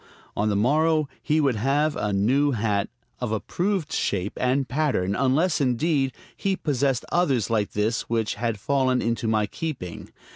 On the morrow he would have a new hat, of approved shape and pattern; unless, indeed, he possessed others like this which had fallen into my keeping.